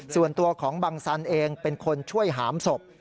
ส่วนตัวของบังสันเองเป็นคนช่วยหามศพ